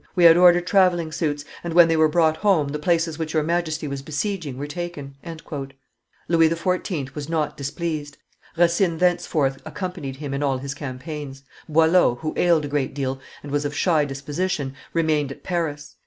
We had ordered travelling suits; and when they were brought home, the places which your Majesty was besieging were taken." Louis XIV. was not displeased. Racine thenceforth accompanied him in all his campaigns; Boileau, who ailed a great deal, and was of shy disposition, remained at Paris.